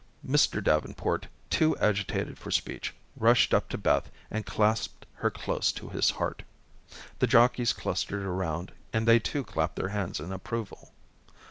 Mr. Davenport, too agitated for speech, rushed up to Beth, and clasped her close to his heart. The jockeys clustered around, and they too clapped their hands in approval.